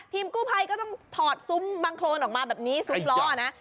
กู้ภัยก็ต้องถอดซุ้มบางโครนออกมาแบบนี้ซุ้มล้อนะ